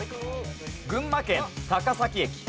群馬県高崎駅。